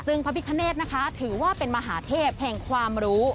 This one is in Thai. ซึ่งพระพิคเนธนะคะถือว่าเป็นมหาเทพแห่งความรู้